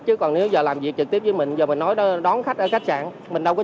song không bị ai xử lý